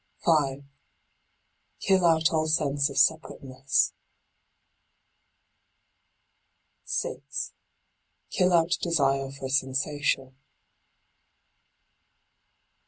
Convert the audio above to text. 5. Kill out all sense of separateness. 6. Kill out desire for sensation.